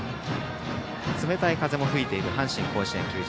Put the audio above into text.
冷たい風も吹いている阪神甲子園球場。